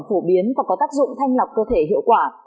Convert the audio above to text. phổ biến và có tác dụng thanh lọc cơ thể hiệu quả